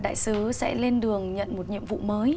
trước khi lên đường nhận một nhiệm vụ mới